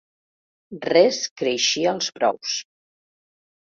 Res creixia als brous.